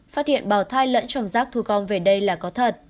phát hiện bào thai lẫn trồng rác thu công về đây là có thật